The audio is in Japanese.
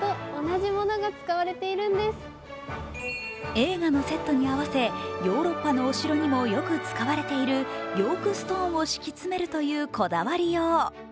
映画のセットに合わせ、ヨーロッパのお城にもよく使われている、ヨークストーンを敷き詰めるというこだわりよう。